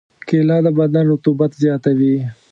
کېله د بدن رطوبت زیاتوي.